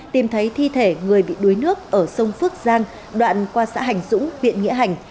tìm thấy thi thể người bị đuối nước ở sông phước giang đoạn qua xã hành dũng huyện nghĩa hành